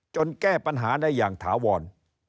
แก้ปัญหาได้อย่างถาวร